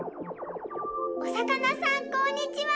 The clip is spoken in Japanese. おさかなさんこんにちは！